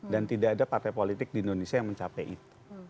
dan tidak ada partai politik di indonesia yang mencapai itu